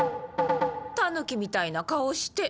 タヌキみたいな顔して。